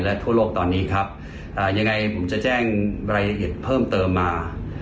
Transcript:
และทั่วโลกตอนนี้ครับยังไงผมจะแจ้งรายละเอียดเพิ่มเติมมา